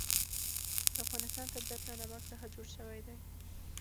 د افغانستان طبیعت له نمک څخه جوړ شوی دی.